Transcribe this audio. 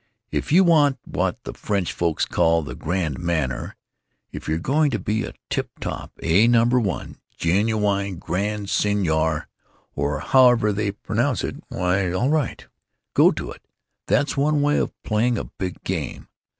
If you want what the French folks call the grand manner, if you're going to be a tip top, A Number 1, genuwine grand senyor, or however they pronounce it, why, all right, go to it; that's one way of playing a big game.